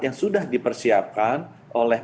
yang sudah dipersiapkan oleh